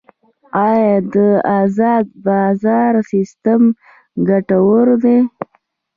آیا د ازاد بازار سیستم ګټور دی؟